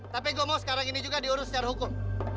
tapi gue mau sekarang ini juga diurus secara hukum